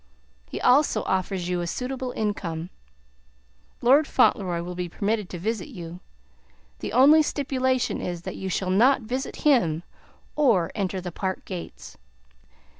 He also offers you a suitable income. Lord Fauntleroy will be permitted to visit you; the only stipulation is, that you shall not visit him or enter the park gates.